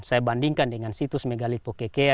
saya bandingkan dengan situs megalitik pococoea